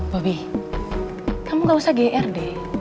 bobby kamu gak usah gr deh